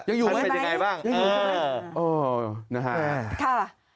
ยังอยู่ไหมนะครับเออนะฮะค่ะ